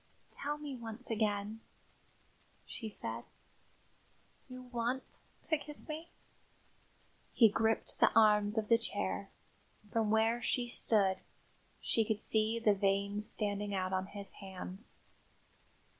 "Tell me once again," she said. "You want to kiss me?" He gripped the arms of his chair; from where she stood, she could see the veins standing out on his hands.